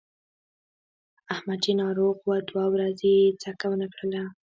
احمد چې ناروغ و دوه ورځې یې څکه ونه کړله.